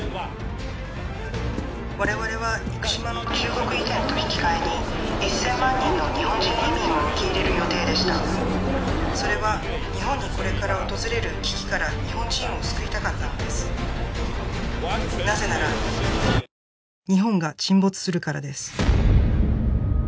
我々は生島の中国移転と引き換えに１千万人の日本人移民を受け入れる予定でしたそれは日本にこれから訪れる危機から日本人を救いたかったのですなぜなら日本が沈没するからです